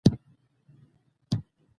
تعلیم نجونو ته د خپلواکۍ احساس ورکوي.